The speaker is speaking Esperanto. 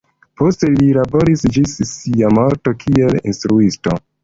Poste li laboris ĝis sia morto kiel instruisto.